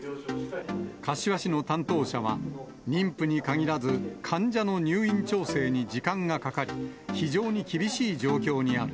柏市の担当者は、妊婦に限らず、患者の入院調整に時間がかかり、非常に厳しい状況にある。